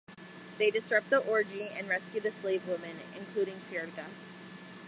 They disrupt the orgy and rescue the slave women, including Phrygia.